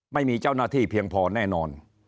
ไม่มีเจ้าหน้าที่เพียงพอแน่นอน